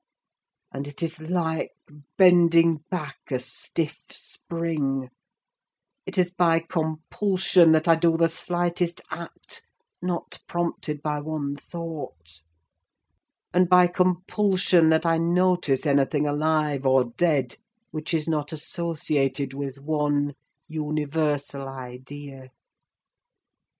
And it is like bending back a stiff spring: it is by compulsion that I do the slightest act not prompted by one thought; and by compulsion that I notice anything alive or dead, which is not associated with one universal idea.